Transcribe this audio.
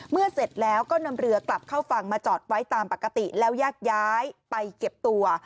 เสร็จแล้วก็นำเรือกลับเข้าฝั่งมาจอดไว้ตามปกติแล้วแยกย้ายไปเก็บตัว